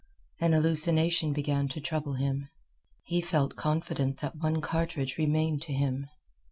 An hallucination began to trouble him. He felt confident that one cartridge remained to him.